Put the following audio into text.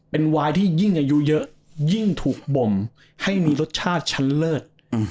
เป็นวายที่ยิ่งอายุเยอะยิ่งถูกบ่มให้มีรสชาติชั้นเลิศ